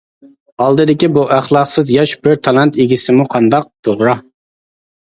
ئالدىدىكى بۇ ئەخلاقسىز ياش بىر تالانت ئىگىسىمۇ قانداق؟ توغرا!